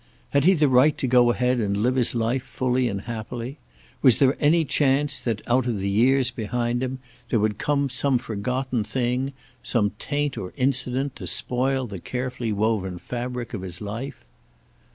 Had he the right to go ahead and live his life fully and happily? Was there any chance that, out of the years behind him, there would come some forgotten thing, some taint or incident, to spoil the carefully woven fabric of his life?